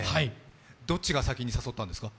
どっちが先に誘ったんですか？